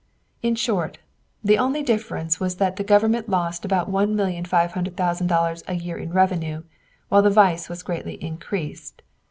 In short, the only difference was that the Government lost about one million five hundred thousand dollars a year in revenue, while the vice was greatly increased.